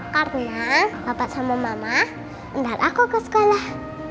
karena bapak sama mama ntar aku ke sekolah